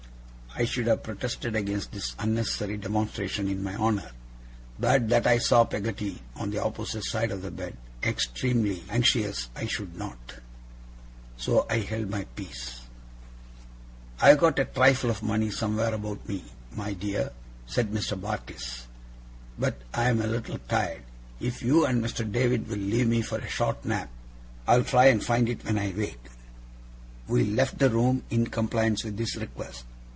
I should have protested against this unnecessary demonstration in my honour, but that I saw Peggotty, on the opposite side of the bed, extremely anxious I should not. So I held my peace. 'I have got a trifle of money somewhere about me, my dear,' said Mr. Barkis, 'but I'm a little tired. If you and Mr. David will leave me for a short nap, I'll try and find it when I wake.' We left the room, in compliance with this request.